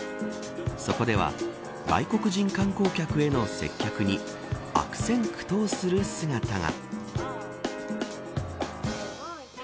そこでは外国人観光客への接客に悪戦苦闘する姿が。